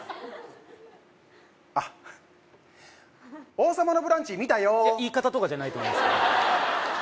王様のブランチ見たよー言い方とかじゃないと思います